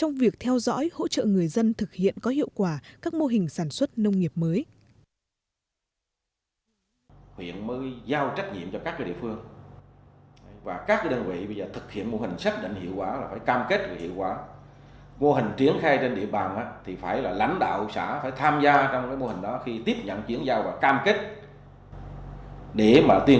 giỏi hỗ trợ người dân thực hiện có hiệu quả các mô hình sản xuất nông nghiệp mới